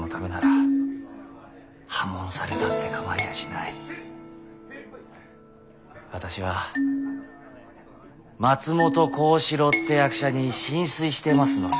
私は松本幸四郎って役者に心酔していますのさ。